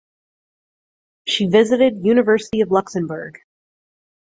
She visited University of Luxembourg.